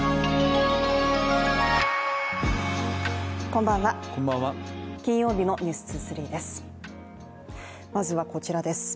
こんばんは、金曜日の「ｎｅｗｓ２３」です。